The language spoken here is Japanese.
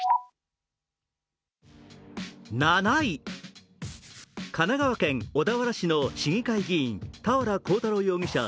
７位、神奈川県小田原市の市議会議員俵鋼太郎容疑者